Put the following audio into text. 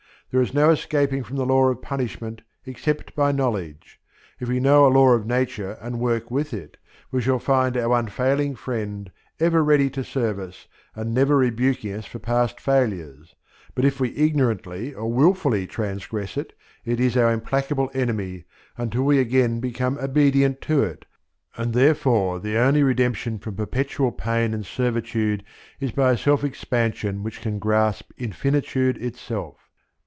There is no escaping from the law of punishment, except by knowledge. If we know a law of Nature and work with it, we shall find it our unfailing friend, ever ready to serve us, and never rebuking us for past failures; but if we ignorantly or wilfully transgress it, it is our implacable enemy, until we again become obedient to it; and therefore the only redemption from perpetual pain and servitude is by a self expansion which can grasp infinitude itself.